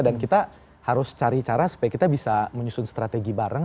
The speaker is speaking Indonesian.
dan kita harus cari cara supaya kita bisa menyusun strategi bareng